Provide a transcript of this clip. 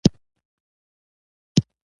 چا چې وعده کړي وه، هغه انتظار ونه کړ